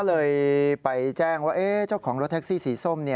เลยไปแจ้งว่าเจ้าของรถแท็กซี่สีส้ม